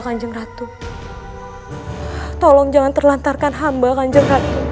kanjeng ratu hai tolong jangan terlantarkan hamba kanjeng ratu hai hai hai hai hai